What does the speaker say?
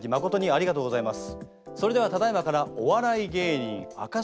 ありがとうございます。